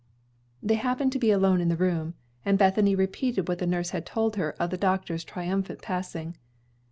They happened to be alone in the room, and Bethany repeated what the nurse had told her of the doctor's triumphant passing.